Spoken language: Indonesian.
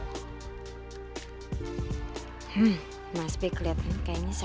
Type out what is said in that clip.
hmm mas bi kelihatan kayaknya salah